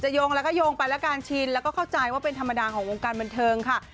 โยงแล้วก็โยงไปแล้วกันชินแล้วก็เข้าใจว่าเป็นธรรมดาของวงการบันเทิงค่ะ